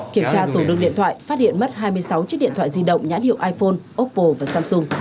kiểm tra tủ đường điện thoại phát hiện mất hai mươi sáu chiếc điện thoại di động nhãn hiệu iphone oppo và samsung